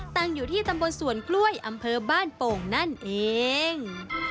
ตั้งอยู่ที่ตำบลสวนกล้วยอำเภอบ้านโป่งนั่นเอง